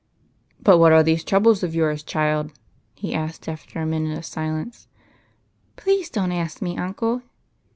" But what are these troubles of yours, child ?"• he asked, after a minute of silence. " Please don't ask me, uncle."